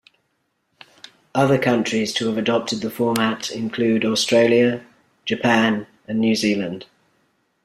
Other countries to have adopted the format include Australia, Japan and New Zealand.